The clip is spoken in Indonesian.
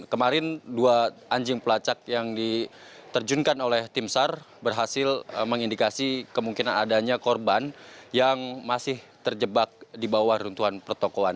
kemarin dua anjing pelacak yang diterjunkan oleh tim sar berhasil mengindikasi kemungkinan adanya korban yang masih terjebak di bawah runtuhan pertokohan